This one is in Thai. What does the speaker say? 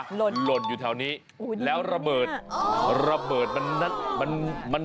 หล่นหล่นอยู่แถวนี้แล้วระเบิดระเบิดมันด้าน